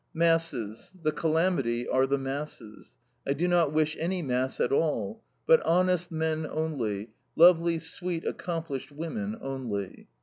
Masses! The calamity are the masses. I do not wish any mass at all, but honest men only, lovely, sweet, accomplished women only."